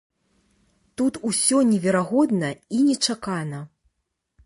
Тут усё неверагодна і нечакана.